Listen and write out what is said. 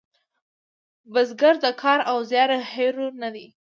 بزګر د کار او زیار هیرو نه دی